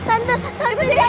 aku harus lari